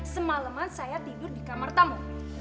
semaleman saya tidur di kamar kamu